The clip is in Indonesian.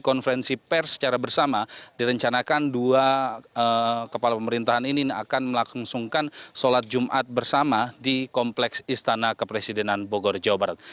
konferensi pers secara bersama direncanakan dua kepala pemerintahan ini akan melaksungkan sholat jumat bersama di kompleks istana kepresidenan bogor jawa barat